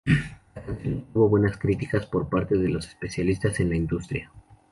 La canción obtuvo buenas críticas por parte de los especialistas en la industria.